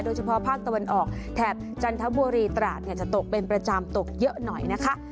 โดยเฉพาะภาคตะวันออกแถบจันทบุรีตราดจะตกเป็นประจำตกเยอะหน่อยนะคะ